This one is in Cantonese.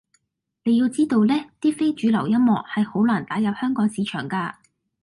你要知道呢，啲非主流音樂，係好難打入香港市場㗎